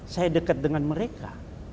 saya dekat dengan mereka